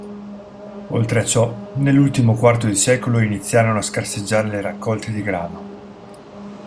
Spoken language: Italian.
Oltre a ciò, nell'ultimo quarto di secolo iniziarono a scarseggiare le raccolte di grano.